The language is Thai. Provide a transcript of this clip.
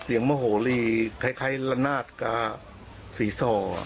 เสียงมโหรีคล้ายละนาดกาสีซอ